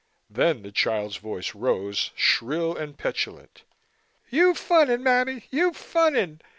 Then the child's voice rose, shrill and petulant. "You funning, mammy, you funning.